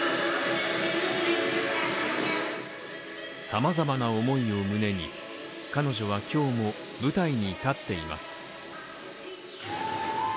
様々な思いを胸に、彼女は今日も舞台に立っています。